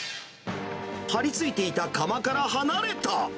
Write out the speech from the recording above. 張りついていた釜から離れた。